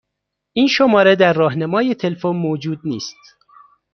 این شماره در راهنمای تلفن موجود نیست.